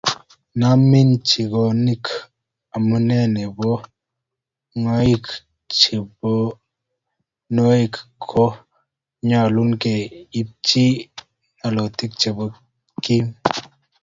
nomiik chekoni omunee nebo ngoroik che nuok ko nyoluu keipchi kakwoutik che kiim